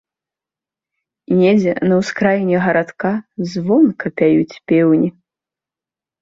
Недзе на ўскраіне гарадка звонка пяюць пеўні.